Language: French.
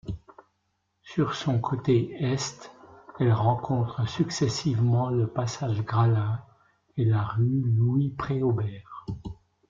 Sur son côté est, elle rencontre successivement le passage Graslin et la rue Louis-Préaubert.